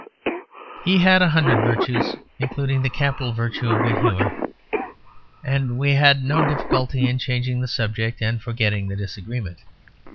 He had a hundred virtues, including the capital virtue of good humour, and we had no difficulty in changing the subject and forgetting the disagreement.